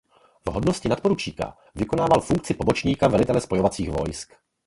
V hodnosti nadporučíka vykonával funkci pobočníka velitele spojovacích vojsk.